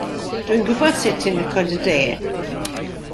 Dw i'n gwybod sut ti'n licio dy de.